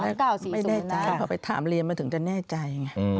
ไม่ได้ใจเขาไปถามเรียนมาถึงจะแน่ใจ